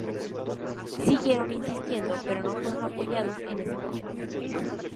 Siguieron insistiendo pero no fueron apoyados en ese momento.